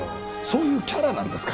そういうキャラなんです